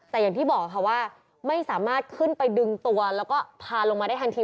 แต่อย่างที่บอกค่ะว่าไม่สามารถขึ้นไปดึงตัวแล้วก็พาลงมาได้ทันที